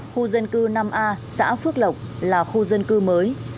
khu dân cư năm a xã phước lộc là khu dân cư mới